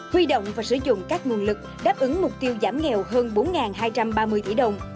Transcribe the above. huy động và sử dụng các nguồn lực đáp ứng mục tiêu giảm nghèo hơn bốn hai trăm ba mươi tỷ đồng